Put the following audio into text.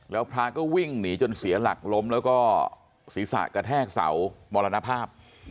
แล้วพระก็วิ่งหนีจนเสียหลักล้มแล้วก็ศีรษะกระแทกเสามรณภาพ